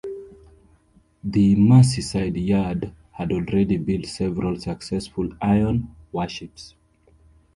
The Merseyside yard had already built several successful iron warships.